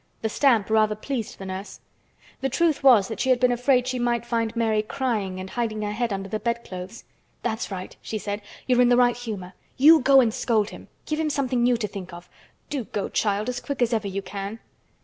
The stamp rather pleased the nurse. The truth was that she had been afraid she might find Mary crying and hiding her head under the bed clothes. "That's right," she said. "You're in the right humor. You go and scold him. Give him something new to think of. Do go, child, as quick as ever you can."